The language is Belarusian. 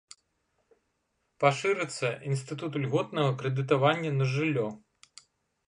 Пашырыцца інстытут льготнага крэдытавання на жыллё.